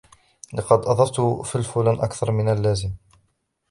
لقد أضفت فلفلاً أكثر من اللازم.